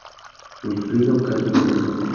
Wilfrido Calle Brito.